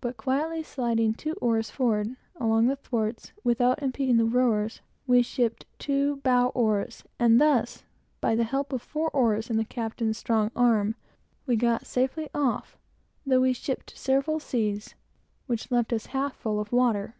By quietly sliding two oars forward, along the thwarts, without impeding the rowers, we shipped two bow oars, and thus, by the help of four oars and the captain's strong arm, we got safely off, though we shipped several seas, which left us half full of water.